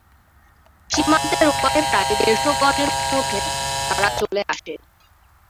সীমান্তের ওপারে প্রায় দেড় শ গজের মধ্যে তারা চলে আসে।